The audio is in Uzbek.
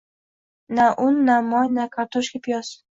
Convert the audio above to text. Na un, na moy, na kartoshka-piyoz